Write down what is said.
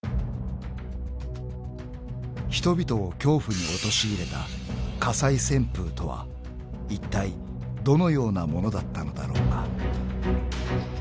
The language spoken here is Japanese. ［人々を恐怖に陥れた火災旋風とはいったいどのようなものだったのだろうか］